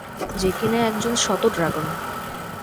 যে কিনা একজন শ্বত ড্রাগন।